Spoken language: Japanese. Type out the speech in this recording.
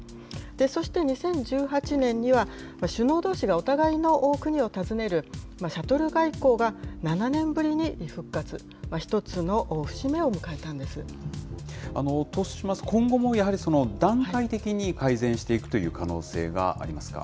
そして２０１８年には、首脳どうしがお互いの国を訪ねる、シャトル外交が７年ぶりに復活。としますと、今後もやはり段階的に改善していくという可能性がありますか？